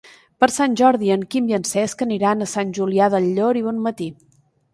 Per Sant Jordi en Quim i en Cesc aniran a Sant Julià del Llor i Bonmatí.